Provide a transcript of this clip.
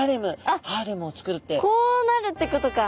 あっこうなるってことか。